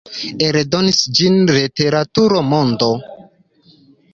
Eldonis ĝin Literatura Mondo.